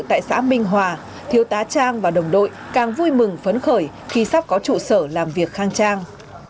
tại xã minh hòa thiếu tá trang và đồng đội càng vui mừng phấn khởi khi sắp có trụ sở làm việc khang trang